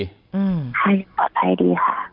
ให้ปลอดภัยดีค่ะ